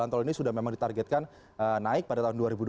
jalan tol ini sudah memang ditargetkan naik pada tahun dua ribu dua puluh